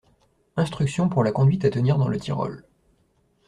Instruction pour la conduite à tenir dans le Tyrol.